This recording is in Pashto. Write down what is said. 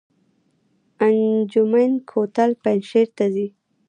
انجمین کوتل پنجشیر ته ځي؟